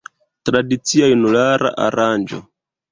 Tradicia junulara aranĝo.